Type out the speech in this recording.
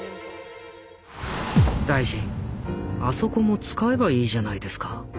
「大臣あそこも使えばいいじゃないですか。